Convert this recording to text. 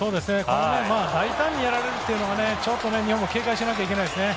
大胆にやられるというのが警戒しないといけないですね。